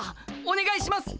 おねがいします！